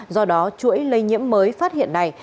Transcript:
do đó chuỗi lây nhiễm mới phát hiện này